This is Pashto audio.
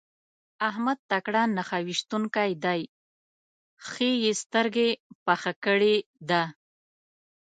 احمد تکړه نښه ويشتونکی دی؛ ښه يې سترګه پخه کړې ده.